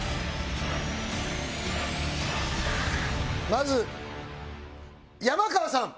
まず山川さん。